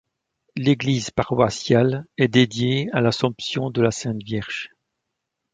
L'église paroissiale est dédiée à l'Assomption de la Sainte Vierge.